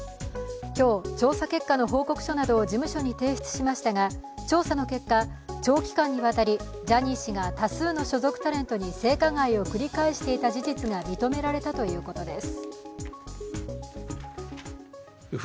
今日、調査結果の報告書などを事務所に提出しましたが調査の結果、長期間にわたりジャニー氏が多数の所属タレントに性加害を繰り返していた事実が認められたということです。